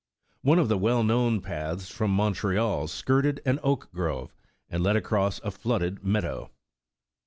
One of the well known paths from Mon treal skirted an oak grove, and led across a flooded meadow.